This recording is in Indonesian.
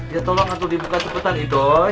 ya tolong atu dibuka cepetan i doy